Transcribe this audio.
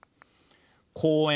公園